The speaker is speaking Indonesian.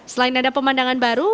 selain ada pemandangan baru